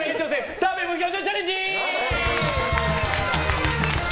澤部無表情チャレンジ！